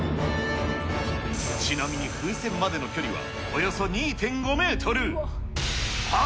ちなみに風船までの距離はおよそ２．５メートル。